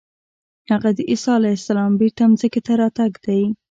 هغه د عیسی علیه السلام بېرته ځمکې ته راتګ دی.